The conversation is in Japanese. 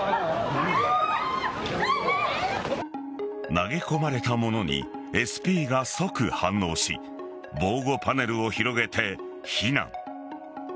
投げ込まれたものにＳＰが即反応し防護パネルを広げて避難。